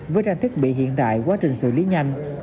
với trang thiết bị hiện đại quá trình xử lý nhanh